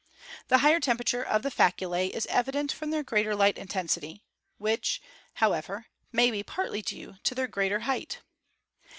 The higher tem perature of the faculae is evident from their greater light intensity, which, however, may be partly due to their greater height.